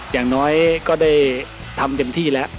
อย่างน้อยก็ได้ทำเต็มที่แล้ว